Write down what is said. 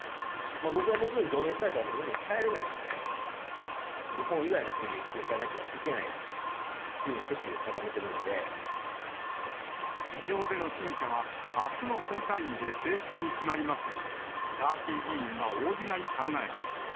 僕はもちろん、除名されたら日本に帰れないので、日本以外の国で生きていかなきゃいけないというふうに決意を固め議場での陳謝は、あすの本会議で正式に決まりますが、ガーシー議員は応じない考えです。